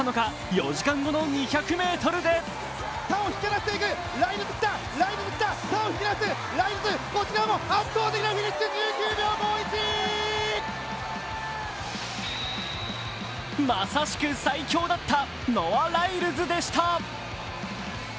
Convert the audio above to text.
４時間後の２００ｍでまさしく最強だったノア・ライルズでした。